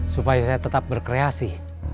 supaya saya tetap berkreasi